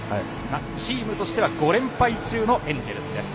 チームとしては５連敗中のエンジェルスです。